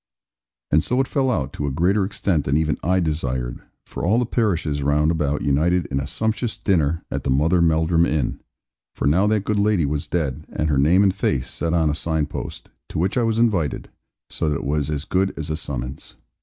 And so it fell out, to a greater extent than even I desired; for all the parishes round about united in a sumptuous dinner, at the Mother Melldrum inn for now that good lady was dead, and her name and face set on a sign post to which I was invited, so that it was as good as a summons.